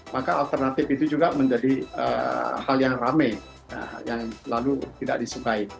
maka alternatif itu juga menjadi hal yang rame yang lalu tidak disukai